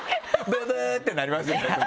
ブブ！ってなりますよね。